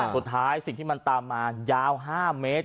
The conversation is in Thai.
สุดท้ายสิ่งที่มันตามมายาว๕เมตร